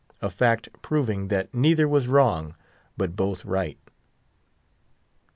A fact proving that neither was wrong, but both right.